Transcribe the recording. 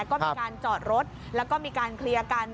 ก็มีการจอดรถแล้วก็มีการเคลียร์กัน